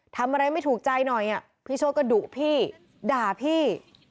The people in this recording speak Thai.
ทำอะไรไม่ถูกใจหน่อยพี่โชคก็ดุพี่ด่าพี่